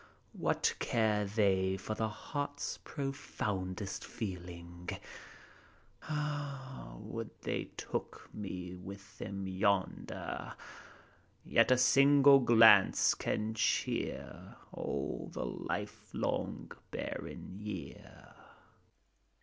What care they for the heart's profoundest feeling t Ah, would they took me with them yonder ! Yet a single glance can cheer All the livelong barren year.